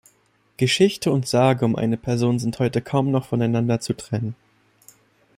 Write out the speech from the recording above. Geschichte und Sage um seine Person sind heute kaum noch voneinander zu trennen.